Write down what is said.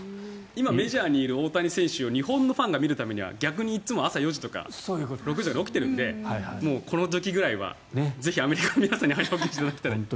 今、メジャーにいる大谷選手が日本のファンが見るためには４時とか６時とかに起きているのでこの時ぐらいはぜひアメリカの皆さんには早起きしていただきたい。